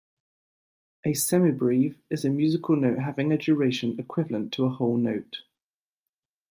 A semibrieve is a musical note having a duration equivalent to a whole note